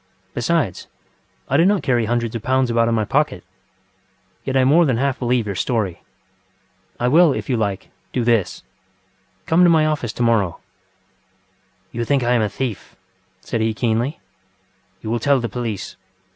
Besides, I do not carry hundreds of pounds about in my pocket. Yet I more than half believe your story. I will, if you like, do this: come to my office to morrow ... .ŌĆØ ŌĆ£You think I am a thief! ŌĆØ said he keenly. ŌĆ£You will tell the police.